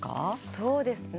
そうですね。